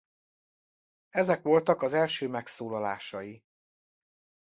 Ezek voltak az első megszólalásai.